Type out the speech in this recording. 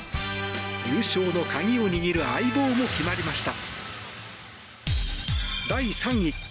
優勝の鍵を握る相棒も決まりました。